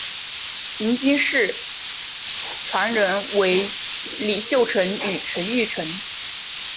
秦军事传人为李秀成与陈玉成。